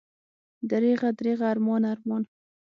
دریغه، دریغه، ارمان، ارمان!